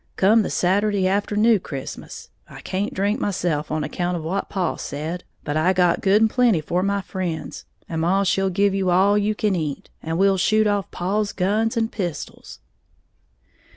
"Come the Saturday after New Christmas. I can't drink myself, on account of what paw said; but I got good and plenty for my friends. And maw she'll give you all you can eat. And we'll shoot off all paw's guns and pistols."